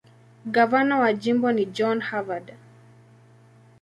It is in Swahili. Gavana wa jimbo ni John Harvard.